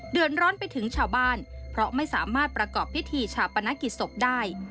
เดือนร้อนไปถึงชาวบ้านเพราะไม่สามารถประกอบพิธีชาปนกิจศพได้